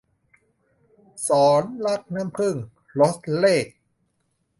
ศรรักน้ำผึ้ง - รจเรข